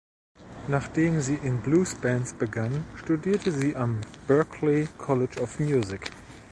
Nachdem sie in Bluesbands begann, studierte sie am Berklee College of Music.